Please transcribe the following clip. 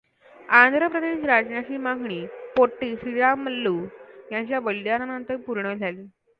आंध्र प्रदेश राज्याची मागणी पोट्टी श्रीरामल्लू यांच्या बलिदानानंतर पूर्ण झाली.